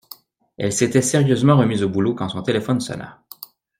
Elle s’était sérieusement remise au boulot quand son téléphone sonna.